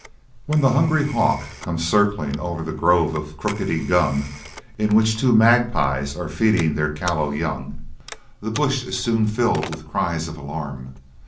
When the hungry hawk comes circling over the grove of crookedy gum in which two magpies are feeding their callow young, the bush is soon filled with cries of alarm.